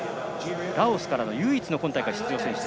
ラオスからの唯一の出場選手。